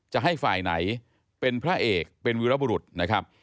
จะให้ฝ่ายไหนเป็นพระเอกเป็นวิรบุรุษนะครับ